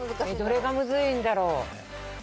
どれがむずいんだろう？